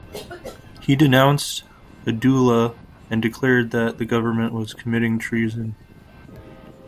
He denounced Adoula and declared that the government was committing treason.